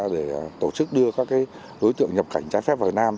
để tổ chức đưa các đối tượng nhập cảnh trái phép vào việt nam